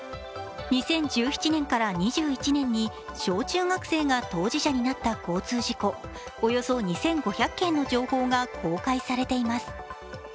２０１７年から２１年に、小中学生が当事者になった交通事故およそ２５００件の情報が公開されています。